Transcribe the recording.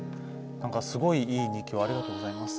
すごいいい日記をありがとうございます。